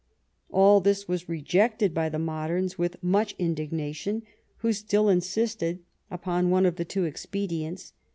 All this was rejected by the Modems, with much indignation: who still insisted upon one of the two expedients.